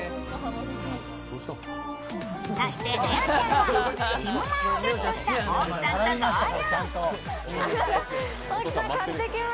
そして、ねおちゃんはティムまんをゲットした大木さんと合流。